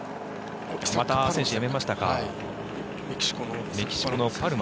また１人、選手がやめましたか。